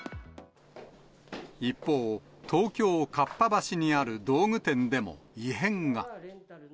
一方、東京・かっぱ橋にある道具店でも異変が。